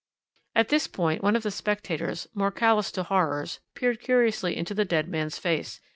"At this point one of the spectators, more callous to horrors, peered curiously into the dead man's face.